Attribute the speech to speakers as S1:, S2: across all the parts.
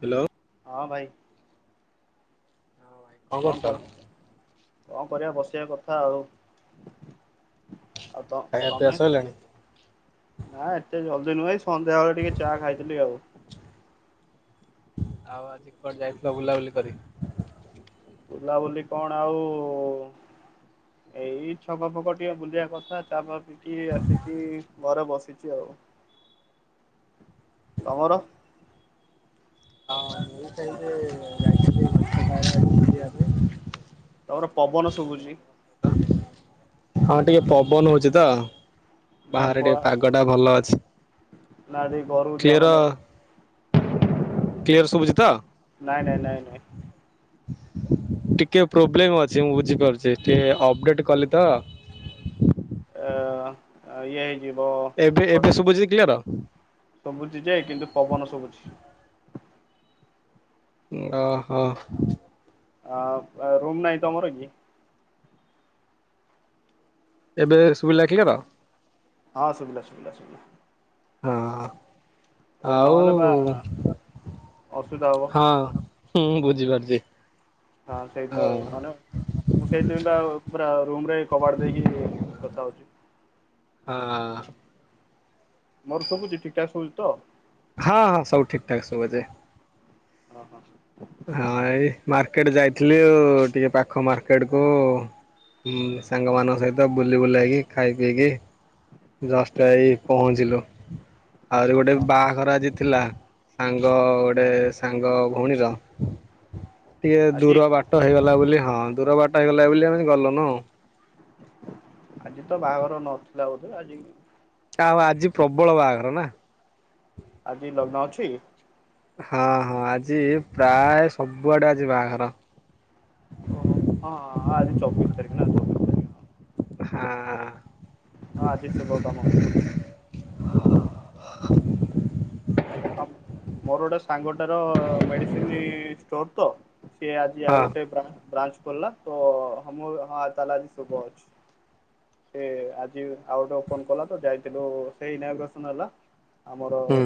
S1: Hello.
S2: ହଁ ଭାଇ।
S1: ହଁ କଣ କରୁଛ?
S2: କଣ କରିବା ବସିବା କଥା ଆଉ। ଆଉ ତ
S1: ଖାଇବା ପିଇବା
S2: ତମେ
S1: ସଇଲାଣି?
S2: ନାଁ ଏତେ ଜଲଦି ନୁହେଁ ସନ୍ଧ୍ୟାବେଳେ ଟିକେ ଚା ଖାଇଥିଲି ଆଉ
S1: ଆଉ ଆଜି କୁଆଡେ ଯାଇଥିଲ ବୁଲାବୁଲି କରି?
S2: ବୁଲାବୁଲି କଣ ଆଉ-ଉ ଏଇ ଛକ ଫକ ଟିକେ ବୁଲିବା କଥା ଚା ଫା ପିଇିକି ଆସିକି ଘରେ ବସିଛି ଆଉ
S1: [unintelligible]
S2: ତମର?
S1: ହଁ ମୁ ଚାଁଲେ ଯାଇଥିଲି ଢେଙ୍କାନାଳ ଆଡେ ବୁଲିବାକୁ
S2: ତମର ପବନ ଶୁଭୁଛି
S1: ହଁ ଟିକେ ପବନ ହଉଛି ତ।
S2: ନା
S1: ବାହାରେ
S2: ପଳା
S1: ଟିକେ ପାଗ ଟା ଭଲ ଅଛି
S2: ନା ଦେଇ ଘରକୁ ଯା
S1: କ୍ଲିୟର
S2: ମାନେ
S1: କ୍ଲିୟର ଶୁଭୁଛି ତ?
S2: ନାଇଁ ନାଇଁ ନାଇଁ ନାଇଁ
S1: [unintelligible] ଟିକେ ପୋବ୍ଲେମ ଅଛି ମୁଁ ବୁଝିପାରୁଛି ଟି ଅପଡେଟ କଲି ତ
S2: ଆ -ଇଏ ଯିବ
S1: ଏବେ ଏବେ ଶୁଭୁଛି କ୍ଲିୟର?
S2: ସୁବୁଛି ଯେ କିନ୍ତୁ ପବନ ସବୁଛି
S1: ଓହୋ
S2: ଅଁ ଅ ରୁମ୍ ନାହିଁ ତମର କି?
S1: ଏବେ ଶୁବିଲା କ୍ଲିୟର।
S2: ହଁ ଶୁବିଲା- ଶୁବିଲା- ଶୁବିଲା
S1: ହଁ
S2: ନହେଲେ ବା
S1: ଆଉ
S2: ଅସୁବିଧା ହବ
S1: ହଁଁ ମୁଁ ବୁଝିପାରୁଛି।
S2: ହଁ ସେଇ ତ ଅମାନ ମୁଁ ସେଇଥିପାଇଁ ବା ରୁମ ରେ କବାଡ ଦେଇକି କଥା ହଉଛି।
S1: ହଁ।
S2: ମୋର ଶୁଭୁଛି ଠିକି ଠାକ ଶୁଛିତ?
S1: ହଁ ସବୁ ଠିକଠାକ ସବୁଛି।
S2: ଓ ହୋ
S1: ହଁ ଏଇ ମାର୍କେଟ ଯାଇଥିଲି ଉ ଟିକେ ପାଖ ମାର୍କେଟ କୁ ମୁଁ ସାଙ୍ଗମାନଙ୍କ ସହିତ ବୁଲି ବୁଲାଇକି ଖାଇ ପିଇକି ଜଷ୍ଟ ଏଇ ପହଞ୍ଚିଲୁ। ଆହୁରି ଗୋଟେ
S2: ହଁ
S1: ବାହାଘର ଆଜି ଥିଲା ସାଙ୍ଗ ଗୋଟେ ସାଙ୍ଗ ଭଉଣୀର। [unintelligible] ଟିକେ
S2: ଆଜି
S1: ଦୂର ବାଟ ହେଇଗଲା ବୋଲି ହଁ ଦୂର ବାଟ ହେଇଗଲା ବୋଲି ଆମେ ଗଲୁନି ଆଉ।
S2: ଆଜି ତ ବାହାଘର ନଥିଲା ବୋଧେ ଆଜି
S1: ଆଉ ଆଜି ପ୍ରବଳ ବାହାଘର ନାଁ।
S2: ଆଜି ଲଘ୍ନ ଅଛି?
S1: ହଁ ହଁ ଆଜି ପ୍ରାୟ ସବୁଆଡେ ଆଜି ବାହାଘର।
S2: ଓହୋ ହଁ ଆଜି ଚବିଶ ତାରିଖ ନା ଚବିଶ ତାରିଖ।
S1: ହାଁ।
S2: ହଁ ଆଜି ସୁଭ କାମ ଅଛି। ମୋର ଗୋଟେ ସାଙ୍ଗଟାର ମେଡିସିନ ଷ୍ଟୋର ତ ସେ ଆଜି ଆଉ
S1: ହଁ
S2: ଗୋଟେ ବ୍ରା-ବ୍ରାଞ୍ଚ ଖୋଲା ତ ହଁ ମ ହଁ ତାହାଲେ ଆଜି ଶୁଭ ଅଛି। ସେ ଆଜି ଆଉ ଗୋଟେ ଓପନ କଲା ତ ଯାଇଥିଲୁ ସେଇ ଇନାଗୁରେସନ ହେଲା। ଆମର
S1: ହୁଁ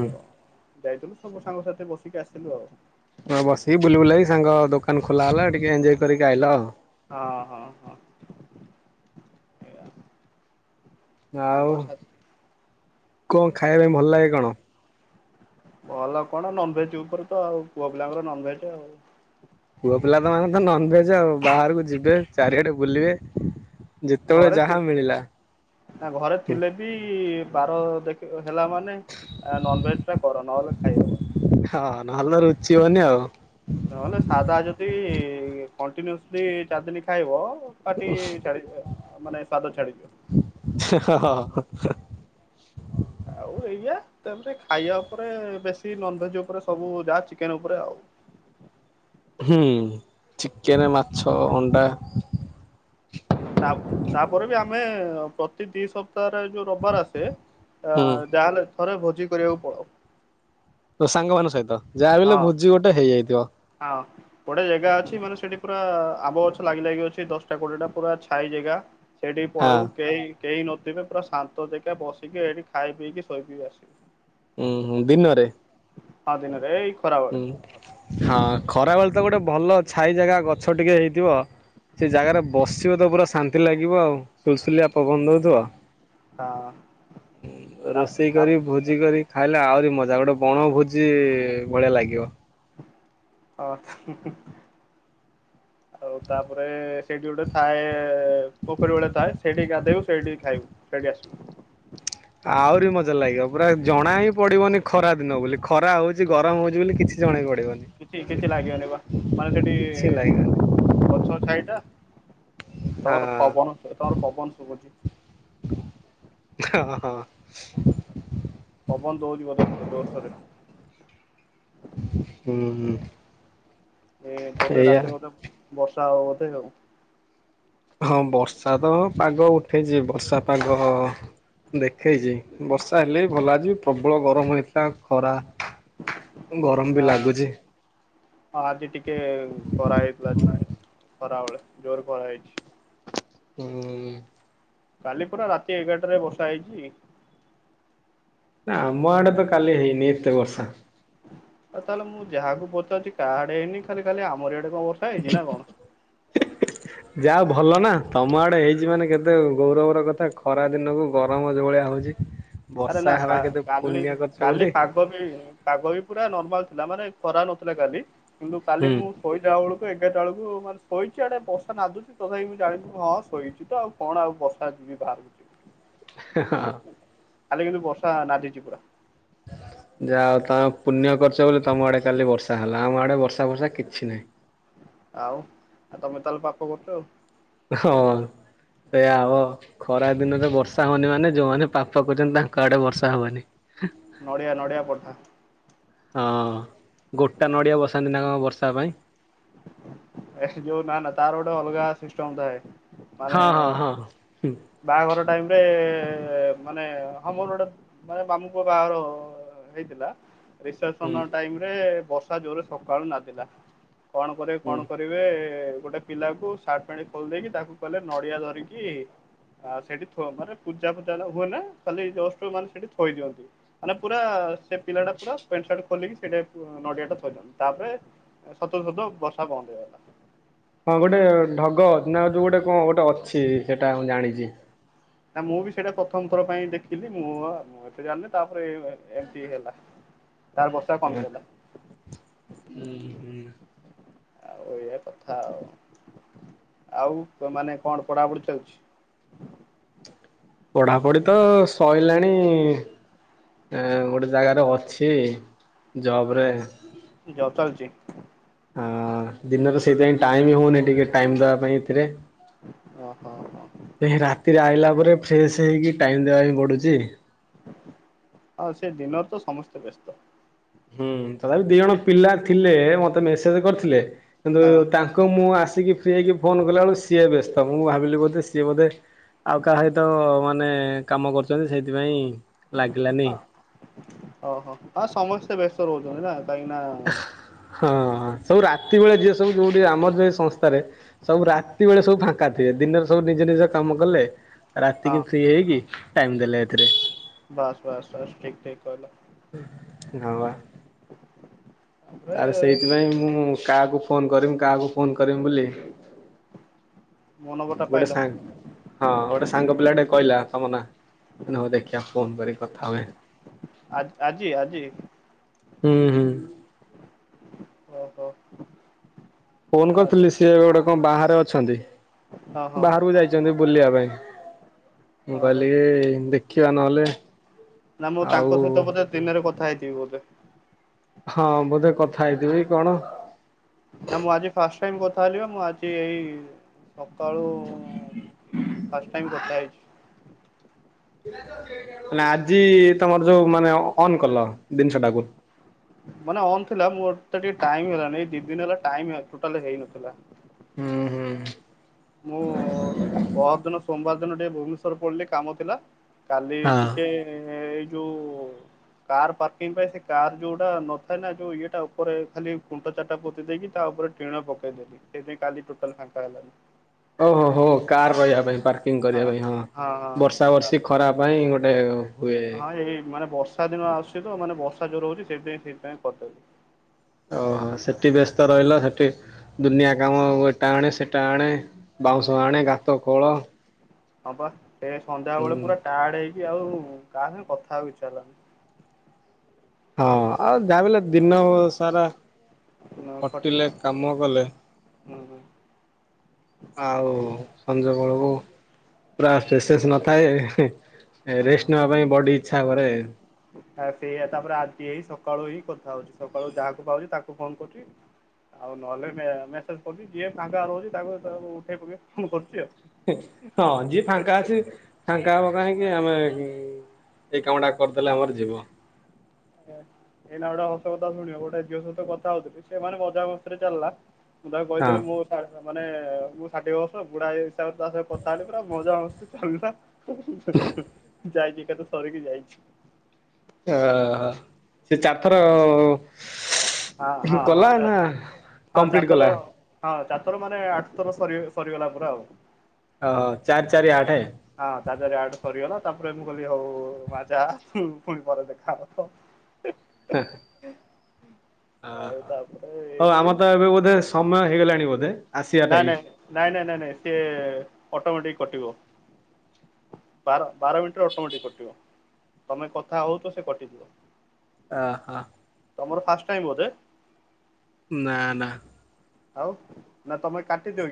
S2: ଯାଇଥିଲୁ ସବୁ ସାଙ୍ଗସାଥି ବସିକି ଆସିଲୁ ଆଉ।
S1: ହଁ ବସିକି ବୁଲି ବୁଲା କି ସାଙ୍ଗ ଦୋକାନ ଖୋଲା ହେଲା ଟିକେ ଏଞୟ କରିକି ଆଇଲ ଆଉ।
S2: ହଁ ହଁ ହଁ। ସାଙ୍ଗ
S1: ଆଉ
S2: ସା
S1: କଣ ଖାଇବା ପାଇଁ ଭଲ ଲାଗେ କଣ?
S2: ଭଲ କଣ ନନଭେଜ ଉପରେ ତ ଆଉ ପୁଅ ପିଲାଙ୍କର ନନଭେଜ ଆଉ
S1: ପୁଅ ପିଲା ତ ମାନେ ତ ନନଭେଜ ଆଉ ବାହାରକୁ ଯିବେ ଚାରିଆଡେ ବୁଲିବେ। ଯେତେବେଳେ
S2: ଘରେ
S1: ଯାହା
S2: ଥିଲେ
S1: ମିଳିଲା
S2: ବି ଘରେ ଥିଲେ ବି ବାର ଦେଖି ହେଲା ମାନେ ଆ ନନଭେଜ ଟା କର ନହେଲେ ଖାଇ ହବନି।
S1: ଚିବନି ଆଉ।
S2: ନହେଲେ ସାଧା ଯଦି କଣ୍ଟିନ୍ୟୁସଲି ଚାରି ଦିନ ଖାଇବ ପାର୍ଟି ଛାଡ଼ିକି ମାନେ ସ୍ୱାଦ ଛଡ଼ିଦିଅ।
S1: ଆଛା।
S2: ଓ ଏଇଆ ତାପରେ ଖାଇବା ଉପରେ ବେଶୀ ନନଭେଜ୍ ଉପରେ ସବୁ ଯାହା ଚିକେନ ଉପରେ ଆଉ।
S1: ହୁଁ ଚିକେନ ମାଛ ଅଣ୍ଡା।
S2: ତା ତାପରେ ବି ଆମେ ପ୍ରତି ଦି ସପ ତାର ଏଇ ଯୋଉ ରବିବାର ଆସେ
S1: ହୁଁ।
S2: ଯାହାହେଲେ ଥରେ ଭୋଜି କରିବାକୁ ପଳଉ।
S1: ତୋ ସାଙ୍ଗମାନ ସହିତ। ଯାହା ବି ହେଲେ ଭୋଜି ଗୋଟେ ହେଇଯାଇଥିବ।
S2: ହଁ ଗୋଟେ ଜାଗା ଅଛି ମାନେ ସେଠି ପୁରା ଆମ୍ବ ଗଛ ଲାଗି ଲାଗି ଅଛି। ଦଶଟା କୋଡିଏ ଟା ପୁରା ଛାଇ ଜାଗା ସେଇଠି
S1: ହଁ
S2: ପଳଉ କେହି କେହି ନଥିବେ ପୁରା ଶାନ୍ତ ଜାଗା ବସିକି ଏଇଠି ଖାଇ ପିଇକି ଶୋଇକି ଆସିଲୁ।
S1: ହୁଁ ହୁଁ ଦିନରେ?
S2: ହ ଦିନରେ ଏଇ ଖରାବେଳେ
S1: ଉଁ ହଁ ଖରା ବେଳେ ତ ଗୋଟେ ଭଲ ଛାଇ ଜାଗା ଗଛ ଟିକେ ହେଇଥିବ। ସେ ଜାଗାରେ ବସିବ ତ ପୁରା ଶାନ୍ତି ଲାଗିବ ଆଉ ସୁଲସୁଲିଆ ପବନ ଦଉଥିବ ଆଉ।
S2: ହଁ ତା
S1: ରୋଷେଇ
S2: ତା
S1: କରି ଭୋଜି କରି। ଖାଇଲେ ଆହୁରି ମଜା ଗୋଟେ ବଣ ଭୋଜି ଭଳିଆ ଲାଗିବ।
S2: ହ ହୁଁ ହୁଁ। ଆଉ ତାପରେ ସେଇଠି ଗୋଟେ ଥାଏ ପୋଖରୀ ଭଳିଆ ଥାଏ ସେଠି ଗାଧେଇବୁ ସେଇଠି ଖାଇବୁ। ଏଇଠି ଆସୁ।
S1: ଆହୁରି ମଜା ଲାଗିବ ପୁରା ଜଣା ହିଁ ପଡିବନି ଖରା ଦିନ ବୋଲି ଖରା ହଉଛି ଗରମ ହଉଛି ବୋଲି କିଛି ଜଣେଇବନି।
S2: କିଛି କିଛି ଲାଗିବନି ବା ମାନେ ସେଠି
S1: କିଛି ଲାଗିବନି
S2: ଗଛ ଛାଇଟା
S1: ହଁ
S2: ତମର ପବନ ତମର ପବନ ଶୁବୁଛି।
S1: ହଁ [inaudible]
S2: ପବନ ଦଉଛି ବୋଧେ ଜୋରସୋରେ
S1: ହୁଁ ହୁଁ।
S2: ଏ ବୋଧେ
S1: ଏଇଆ
S2: ରାତିରେ ବୋଧେ ବର୍ଷା ତା ହବ ବତେ ଆଉ।
S1: ହଁ ବର୍ଷା ତ ପାଗ ଉଠେଇଛି ବର୍ଷା ପାଗ ହଁ ଦେଖେଇଛି ବର୍ଷା ହେଲେ ବି ଭଲ ଆଜିବି ପ୍ରବଳ ଗରମ ହେଇଥିଲା ଖରା ଗରମ ବି ଲାଗୁଛି।
S2: ହଁ ଆଜି ଟିକେ ଖରା ହେଇଥିଲା। ଖରାବେଳେ ଜୋରେ ଖରା ହେଇଛି।
S1: ହୁଁ।
S2: କାଲି ପୁରା ରାତି ଏଗାରଟାରେ ବର୍ଷା ହେଇଛି ଟିକେ।
S1: ଆମ ଆଡ଼େ ତ କାଲି ହେଇନି ଏତେ ବର୍ଷା।
S2: ଆଉ ତାହେଲେ ମୁଁ ଯାହାକୁ ପଚାରୁଛି କାହାଆଡେ ହେଇନି ଖାଲି ଖାଲି ଆମର ଆଡେ ଏ କଣ ବର୍ଷା ହେଇଛି ନା କଣ?
S1: ଯାହା ହଉ ଭଲ ନା ତମ ଆଡେ ହେଇଛି ମାନେ କେତେ ଗୌରବର କଥା ଖରା ଦିନକୁ ଗରମ ଯେଉ ଭଳିଆ ହଉଛି।
S2: ଆରେ
S1: ବର୍ଷା
S2: ନା
S1: ହେବା କେତେ
S2: କାଲି
S1: ପୁଣ୍ୟ କରିଛ
S2: କାଲି
S1: ବୋଲି
S2: ପାଗ ବି ପାଗ ବି ପୁରା ନର୍ମାଲ ଥିଲା ମାନେ ଖରା ନଥିଲା କାଲି କିନ୍ତୁ କାଲି
S1: ହୁଁ
S2: ମୁଁ ଶୋଇଲା ବେଳକୁ ଏଗାରଟା ବେଳକୁ ମାନେ ଶୋଇଛି ଏଆଡେ ବର୍ଷା ନାଦୁଛି ତଥାପି ମୁଁ ଜାଣିବି ହଁ ଶୋଇଛି ତ ଆଉ କଣ ଆଉ ବର୍ଷା [unintelligible]
S1: ହି ହିଁ।
S2: କାଲି କିନ୍ତୁ ବର୍ଷା ନାଦିଛି ପୁରା।
S1: [inaudible] ଯାଅ ତମେ ପୁଣ୍ୟ କର୍ଛ ବୋଲି ତମ ଆଡ଼େ କାଲି ବର୍ଷା ହେଲା ଆମ ଆଡ଼େ ବର୍ଷା ଫର୍ଷା କିଛି ନାହିଁ।
S2: ଆଉ ଆ ତମେ ତାଏଲ୍ ପାପ କରୁଛ ଆଉ।
S1: ହଁ ଏୟା ହବ ଖରା ଦିନରେ ବର୍ଷା ହଉନି ମାନେ ଯୋଉମାନେ ପାପ କରୁଛନ୍ତି ତାଙ୍କ ଆଡ଼େ ବର୍ଷା ହବନି।
S2: ନଡ଼ିଆ ନଡ଼ିଆ ପଡ଼୍ ଥାନ୍ତା।
S1: ହଁ ଗୋଟା ନଡ଼ିଆ ବସାନ୍ତିନା କଣ ବର୍ଷା ପାଇଁ?
S2: ଏସ୍ ଯୋଉ ନା ନା ତାର ଗୋଟେ ଅଲ୍ଗା ସିଷ୍ଟମ୍ ଥାଏ। ମାନେ
S1: ହଁ ହଁ ହଁ।
S2: ବାଆଘର ଟାଇମ୍ ରେ ଏ ମାନେ ଆମର୍ ଗୋଟେ ମାନେ ମାମୁଁ ପୁଅ ବାଘର ହେଇଥିଲା।
S1: ହୁଁ ହୁଁ
S2: ରିସେପ୍ସନ ଟାଇମ୍ ରେ ବର୍ଷା ଜୋର୍ରେ ସକାଳୁ ନାଦିଲା। କଣ କରିଏ
S1: ହୁଁ।
S2: କଣ କରିବେ ଗୋଟେ ପିଲାକୁ ସାର୍ଟ ପେଣ୍ଟ ଖୋଲ୍ ଦେଇକି ତାକୁ କଇଲେ ନଡ଼ିଆ ଧରିକି ଆ ସେଡି ଥ ମାନେ ପୂଜା ଫୂଜା ନା ହୁଏ ନା ଖାଲି ଜଷ୍ଟ୍ ମାନେ ସେଠି ଥୋଇ ଦିଅନ୍ତି, ମାନେ ପୁରା ଆ ସେ ପିଲା ଟା ପୁରା ପେଣ୍ଟ୍ ସାର୍ଟ ଖୋଲିକି ସେଇଟା ଉ ନଡିଆଟା ଥୋଇଲା, ତାପରେ ସତ୍ କୁ ସତ ବର୍ଷା ବନ୍ଦ୍ ହେଇଗଲା।
S1: ହଁ ଗୋଟେ ଢଗ ନା ଯୋଉ ଗୋଟେ କଣ ଗୋଟେ ଅଛି ସେଇଟା ମୁଁ ଜାଣିଛି।
S2: ନା ମୁଁ ବି ସେଇଟା ପ୍ରଥମ୍ ଥର ପାଇଁ ଦେଖିଲି ମୁଁ-ଆ-ମୁଁ ଏତେ ଜାଣିନି ତା ଓଏ ଏମତି ହେଇଗଲା। ତାର୍ ବର୍ଷା କମିଗଲା।
S1: ହୁଁ ହୁଁ
S2: ଆଉ ଏୟା କଥା ଆଉ ଆଉ ତ ମାନେ କଣ୍ ପଢ଼ାପଢ଼ି ଚାଲଛି?
S1: ପଢ଼ାପଢ଼ି ତ ସଇଲାଣି। ଏଁ ଗୋଟେ ଜାଗାରେ ଅଛି ଜବ୍ ରେ
S2: ଜବ୍ ଚାଲଛି?
S1: ଆଁ ଦିନରେ ସେଇଥିପାଇଁ ଟାଇମ୍ ହଉନି ଟିକେ ଟାଇମ୍ ଦବା ପାଇଁ
S2: ଓହୋ ହୋ।
S1: ଏଥିରେ। ରାତିରେ ଆଇଲା ପରେ ଫ୍ରେଶ୍ ହେଇକି ଟାଇମ୍ ଦେବା ପାଇଁ ପଡ଼ୁଛି।
S2: ଆ ସେଦିନ ତ ସମସ୍ତେ ବେସ୍ତ।
S1: ହୁଁ ତ ଖାଲି ଦି ଜଣ ପିଲା ଥିଲେ ମତେ ମେସ୍ କରିଥିଲେ, କିନ୍ତୁ
S2: ହଁ
S1: ତାଙ୍କୁ ମୁଁ ଆସ୍ ସିକି ଫ୍ରି ହେଇକି ଫୋନ୍ କଲା ବେଳକୁ ସିଏ ବେସ୍ତ, ମୁଁ ଭାବିଲି ବୋଧେ ସିଏ ବୋଧେ ଆଉ କାହା ହିତ ମାନେ କାମ କରୁଛନ୍ତି ସେଇଥିପାଇଁ ଲାଗିଲାନି।
S2: ହଁ, ଅହ ଆ ସମସ୍ତେ ବ୍ୟସ୍ତ ରହୁଛନ୍ତି ନା। କାଇକିନା
S1: ହଁ ସବୁ ରାତି ବେଳା ଯିଏ ସବୁ ଯୋଉଠି ଆମର୍ ଯେ ସଂସ୍ତାରେ ସବୁ ରାତି ବେଳେ ସବୁ ଫାଙ୍କା ଥିବେ, ଦିନରେ ସବୁ ନିଜେ ନିଜ କାମ କଲେ
S2: ହଁ
S1: ରାତିକି ଫ୍ରି ହେଇକି ଟାଇମ୍ ଦେଲେ ଏଥିରେ।
S2: ବାସ୍ ବାସ୍ ବାସ୍ ଠିକ୍ ଠିକ୍ କଲ।
S1: ହଁ ବା [inaudible]
S2: ତାପରେ
S1: ଆରେ ସେଇଥିପାଇଁ ମୁଁ -ମୁଁମୁଁ କାହାକୁ ଫୋନ୍ କରିବି କାଆକୁ ଫୁନ୍ କରିମି ବୋଲି
S2: ମୋ ନମ୍ବରଟା
S1: ଗୋଟେ
S2: ପାଇଲ
S1: ସାଙ୍ଗ୍ ହଁ ଗୋଟେ ସା ତାଙ୍ଗ ପିଲାଟେ କଇଲା ତମ ନା ହଉ ଦେଖିବା ଫୋନ୍ କରି କଥା ହୁଏ।
S2: କି ଆଜି
S1: ହୁଁ ହୁଁ
S2: [inaudible] ଅ ହ
S1: ଫୋନ୍ କରଥିଲି ସିଏ ଏବେ ଗୋଟେ କଣ ବାହାରେ ଅଛନ୍ତି
S2: ଓହୋ
S1: ବାହାରକୁ ଯାଇଛନ୍ତି ବୁଲିବା ପାଇଁ [inaudible] ମୁଁ
S2: ଓହୋ
S1: କଇଲି ଦେଖିବା ନଏଲେ
S2: ନା ମୁଁ ତାଙ୍କ ସହିତ ବୋଧେ ଦିନରେ କଥା ହେଇଥିବି ବୋଧେ।
S1: ହାଁ ବୋଧେ କଥା ହେଇଥିବି କି କଣ।
S2: ନା ମୁଁ ଆଜି ଫାଷ୍ଟ ଟାଇମ୍ କଥା ହେଲି ବା ମୁଁ ଆଜି ଏଇ ସକାଳୁ ଫାଷ୍ଟ ଟାଇମ୍ କଥା ହେଇଛି।
S1: [unintelligible] ନା ଆଜି ତମର୍ ଯୋଉ ମାନେ ଅନ୍ କଲ ଦିନ୍ଷଟାକୁ
S2: ମାନେ ଅନ୍ ଥିଲା ମୋର ତ ଟିକେ ଟାଇମ ହେଲାଣି ଏ ଦି ଦିନ ହେଲା ଟାଇମ୍ ଟୋଟାଲ ହେଇନଥିଲା।
S1: ହୁଁ ହୁଁ।
S2: ମୁଁ ପହର ଦିନ ସୋମବାର ଦିନ ଟିକେ ଭୁବନେଶ୍ଵର ପଳେଇଲି ଟିକେ କାମ ଥିଲା। କାଲି
S1: ହଁ।
S2: ଟିକେ ଏଇ ଯୋଉ କାର ପାର୍କିଂ ପାଇଁ ସେ କାର ଯୋଉଟା ନଥାଏ ନା ଯୋଉ ଇଏଟା ଉପରେ ଖାଲି କୁଣ୍ଟ ଚାରିଟା ପୋତି ଦେଇକି ତା ଉପରେ ଟିଣ ପକେଇଦଲି ସେଥିପାଇଁ କାଲି ଟୋଟାଲ ଫାଙ୍କା ହେଲାନି।
S1: ଓହୋ ହୋ କାର୍ ରହିବା ପାଇଁ ପାର୍ ଗୀକରିବା ପାଇଁ ହଁ ବର୍ଷା
S2: ହଁ
S1: ବର୍ଷି ଖରା ପାଇଁ ଗୋଟେ ହୁଏ।
S2: ହଁ ଏଇ ମାନେ ବର୍ଷା ଦିନ ଆସୁଛି ତ ମାନେ ବର୍ଷା ଜୋର ହହୁଛି ସେଇଥିପାଇଁ ସେଇଥିପାଇଁ କରିଥା ହଉଛି।
S1: ଓହୋ ସେଠି ବ୍ୟସ୍ତ ରହିଲ ସେଠି ଦୁନିଆ କାମ ଏଟା ଆଣେ ସେଟା ଆଣେ ବାଉଁଶ
S2: ହୁଁ
S1: ଆଣେ ଗାତ ଖୋଳ।
S2: ହଁ ବା ସେ ସନ୍ଧ୍ୟା
S1: ହୁଁ
S2: ବେଳେ ପୁରା ଟାୟାର୍ଡ ହେଇ ଏ ମିତୀ ଆଉ କସଗେ କଥା ହେବାକୁ ଇଚ୍ଛା ହେଲାନାହିଁ।
S1: ହଁ ଆଉ ଯା ହେଲେ ଦିନ ସାରା ଖଟିଲେ କାମ କଲେ
S2: ହୁ ହୁ।
S1: ଆଉ ସଞ୍ଜ ବଳକୁ ପୁରା ପେସେନ୍ସ ନଥାଏ। ରେଷ୍ଟ
S2: ହଁ
S1: ନବା ପାଇଁ ବଡି ଇଚ୍ଛା କରେ।
S2: ସେଇଆ ତାପରେ ଆଜି ଏଇ ସକାଳୁ ହି କଥା ହଉଚଛି ସକାଳୁ ଯାହାକୁ ପାଉଛି ତାକୁ ଫୋନ କରୁଛି। ଆଉ ନହେଲେ ମେସେଜ କରୁଛି ଯିଏ ତାଙ୍କରେ ରହୁଛି ତାଙ୍କୁ ଉଠେଇ ପକଇ ଫୋନ କରୁଛି ଆଉ।
S1: ହଁ ଯିଏ ଫାଙ୍କା ଅଛି ଫାଙ୍କା ହବ କାହିଁକି ଆମେ ଏଇ କାମ ଟା କରିଦେଲେ ଆମର ଯିବ।
S2: ହେଇଲା ଗୋଟେ ହସ କଥା ଶୁଣିବ ଗୋଟେ ଝିଅ ସହିତ କଥା ହଉଥିଲି ସେମାନେ ମଜା ମସ୍ତିରେ ଚାଲିଲା ମୁଁ ତାକୁ
S1: ହଁ।
S2: କହିଥିଲି ମୁଁ ସାଢେ଼ ମାନେ ମୁଁ ଷାଠିଏ ବର୍ଷ ବୁଢା଼ ଏ ହିସାବରେ ତା ସହ କଥା ହେଲି ପୁରା ମଜା ମସ୍ତି ଚାଲିଲା। ହୁ ହୁ ଯାଇଁ କିଏକାଥରେ ସାରିକି ଯାଇଛି।
S1: ଓହୋ ସେ ଚାରି ଥର
S2: ହଁ ହଁ ହଁ ହଁ ଚାତର
S1: କମ୍ପ୍ଲିଟ
S2: ଚାରି
S1: କଲା
S2: ଥର ହଁ। ଚାରି ଥର ମାନେ ଆଠ ଥର ସରି ସରିଗଲା ପୁରା ଆଉ।
S1: ଓ ଚାରି ଚାରି ଆଠ।
S2: ହଁ [unintelligible] ସରିଗଲା ତାପରେ ମୁଁ କହିଲି ହଉ ମଜା ପୁଣି ପରେ ଦେଖାବ।
S1: ହଁ। ଅହ
S2: ଆଉ ତାପରେ
S1: ହଉ
S2: ଏମିତି
S1: ଆମର ତ ଏବେ ବୋଧେ ସମୟ ହେଇଗଲାଣି ବୋଧେ ଆସିବା
S2: ନାଇଁ
S1: ଟାଇମ
S2: ନାଇଁ ନାଇଁ ନାଇଁ ନାଇଁ ନାଇଁ ସେ ଅଟୋମେଟିିକ କଟିିବ। ବାର ବାର ମିନିଟରେ ଅଟୋମେଟିକ କଟିବ ତମେ କଥା ହଉ ତ ସେ କଟିଯିବ।
S1: ଆ ହ।
S2: ର ଫାଷ୍ଟ ଟାଇମ୍ ବୋଧେ।
S1: ନା ନା।
S2: ଆଉ ନା ତମେ କାଟିଦେଇ